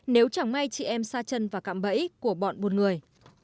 nếu chẳng may chị em xa chân và cạm bẫy của bọn buôn người